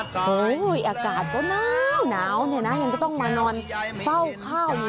เฮ้ยอากาศก็น้าวน้าวเนี้ยน่ะยังต้องมานอนเฝ้าข้าวอย่าง